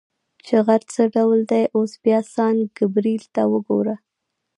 چې غر څه ډول دی، اوس بیا سان ګبرېل ته وګوره.